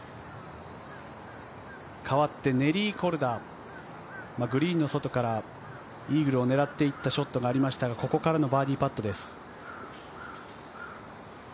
代わってネリー・コルダ、グリーンの外から狙っていったショットがありましたが、ここからのバーディーパットです。